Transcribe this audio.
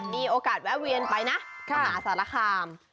มีโอกาสแวะเวียนไปนะมหาสารคาม